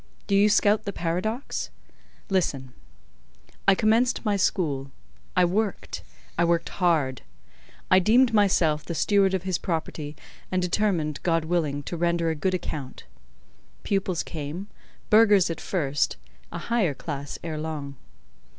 Do you scout the paradox? Listen. I commenced my school; I worked—I worked hard. I deemed myself the steward of his property, and determined, God willing, to render a good account. Pupils came—burghers at first—a higher class ere long.